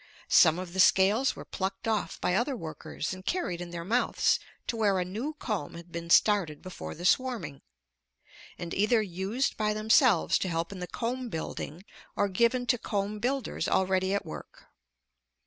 Some of the scales were plucked off by other workers and carried in their mouths to where a new comb had been started before the swarming, and either used by themselves to help in the comb building or given to comb builders already at work.